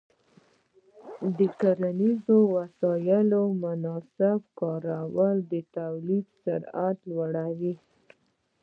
د کرنیزو وسایلو مناسب کارول د تولید سرعت لوړوي.